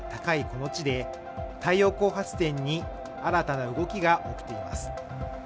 この地で太陽光発電に新たな動きが起きています